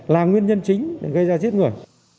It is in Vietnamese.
là nguyên nhân chính gây ra giết người